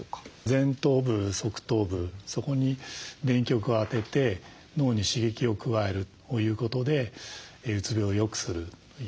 前頭部側頭部そこに電極を当てて脳に刺激を加えるということでうつ病をよくするという。